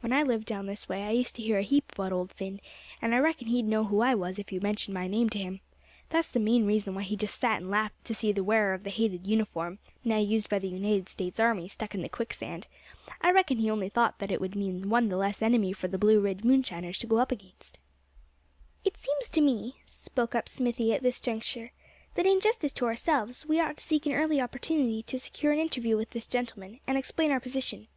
"When I lived down this way, I used to hear a heap about Old Phin; and I reckon he'd know who I was if you mentioned my name to him. That's the main reason why he just sat and laughed to see the wearer of the hated uniform now used by the United States army stuck in the quicksand. I reckon he only thought that it would mean one the less enemy for the Blue Ridge moonshiners to go up against." "It seems to me," spoke up Smithy at this juncture, "that in justice to ourselves we ought to seek an early opportunity to secure an interview with this gentleman, and explain our position.